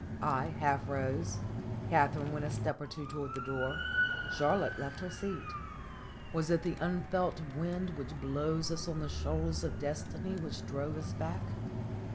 I half rose; Katharine went a step or two toward the door ; Charlotte left her seat. Was it the unfelt wind which blows us on the shoals of destiny which drove us back